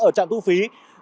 ở trạng thu phí